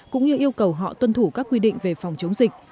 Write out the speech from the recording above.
cũng như yêu cầu họ tuân thủ các quy định về phòng chống dịch